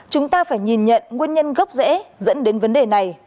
chúng ta phải nhìn nhận nguyên nhân gốc rễ dẫn đến vấn đề này